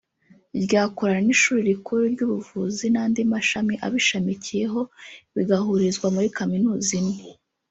ryakorana n’Ishuri Rikuru ry’Ubuvuzi n’andi mashami abishamikiyeho bigahurizwa muri Kaminuza imwe